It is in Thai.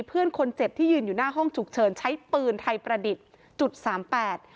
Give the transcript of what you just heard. เพื่อนคนเจ็บที่ยืนอยู่หน้าห้องฉุกเฉินใช้ปืนไทยประดิษฐ์จุดสามแปด